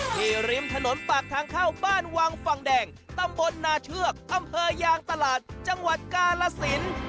ริมถนนปากทางเข้าบ้านวังฝั่งแดงตำบลนาเชือกอำเภอยางตลาดจังหวัดกาลสิน